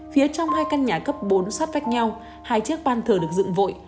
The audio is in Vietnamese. phía trong hai căn nhà cấp bốn sát vách nhau hai chiếc ban thờ được dựng vội